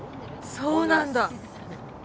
そうなんだ。